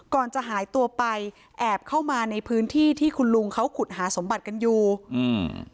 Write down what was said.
ก่อนจะหายตัวไปแอบเข้ามาในพื้นที่ที่คุณลุงเขาขุดหาสมบัติกันอยู่อืม